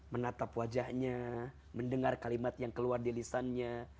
menatap wajahnya mendengar kalimat yang keluar di lisannya